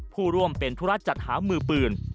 ผู้ร่วมเป็นธุระจัดหามือปืน